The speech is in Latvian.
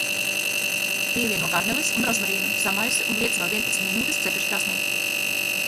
Pievieno garneles un rozmarīnu, samaisi un liec vēl vienpadsmit minūtes cepeškrāsnī.